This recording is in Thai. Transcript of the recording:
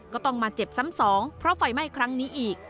ก็ต้องมาเจ็บซ้ำสองเพราะไฟไหม้ครั้งนี้อีก